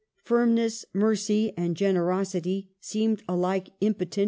Firmness, mercy, and generosity seemed alike impotent to "^E.